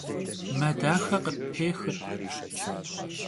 Me daxe khıppêxır.